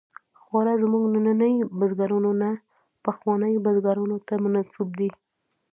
خواړه زموږ ننني بزګرانو نه، پخوانیو بزګرانو ته منسوب دي.